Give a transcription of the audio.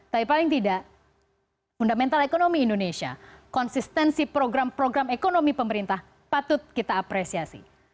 tapi paling tidak fundamental ekonomi indonesia konsistensi program program ekonomi pemerintah patut kita apresiasi